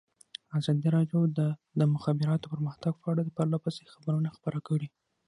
ازادي راډیو د د مخابراتو پرمختګ په اړه پرله پسې خبرونه خپاره کړي.